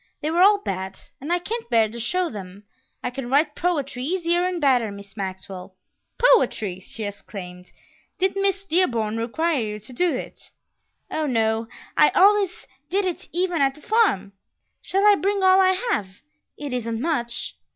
They were all bad, and I can't bear to show them; I can write poetry easier and better, Miss Maxwell." "Poetry!" she exclaimed. "Did Miss Dearborn require you to do it?" "Oh, no; I always did it even at the farm. Shall I bring all I have? It isn't much."